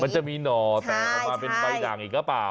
มันจะมีหน่อแตกออกมาเป็นใบด่างอีกหรือเปล่า